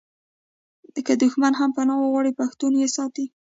که دښمن هم پنا وغواړي پښتون یې ساتي.